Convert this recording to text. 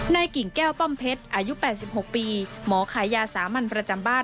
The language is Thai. กิ่งแก้วป้อมเพชรอายุ๘๖ปีหมอขายยาสามัญประจำบ้าน